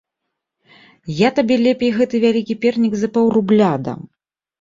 Я табе лепей гэты вялікі пернік за паўрубля дам!